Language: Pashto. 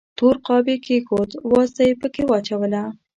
تور قاب یې کېښود، وازده یې پکې واچوله.